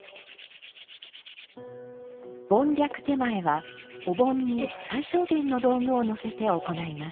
盆略点前はお盆に最小限の道具をのせて行います。